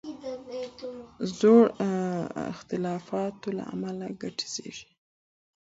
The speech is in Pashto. د زړو اختلافاتو له امله کینه زیږیږي.